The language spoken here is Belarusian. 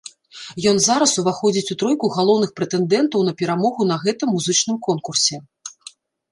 Ён зараз уваходзіць у тройку галоўных прэтэндэнтаў на перамогу на гэтым музычным конкурсе.